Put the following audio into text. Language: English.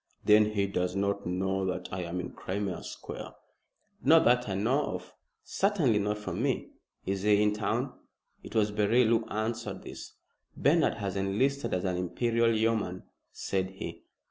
"Then he does not know that I am in Crimea Square." "Not that I know of. Certainly not from me. Is he in town?" It was Beryl who answered this. "Bernard has enlisted as an Imperial Yeoman," said he.